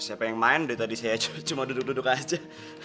siapa yang main udah tadi saya cuma duduk duduk aja